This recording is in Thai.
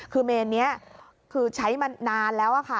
คือเมนนี้คือใช้มานานแล้วค่ะ